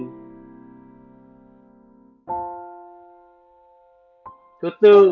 bốn măng cụt